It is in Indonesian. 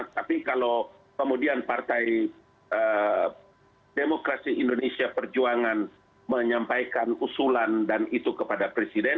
tapi kalau kemudian partai demokrasi indonesia perjuangan menyampaikan usulan dan itu kepada presiden